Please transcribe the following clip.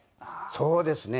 そうですね。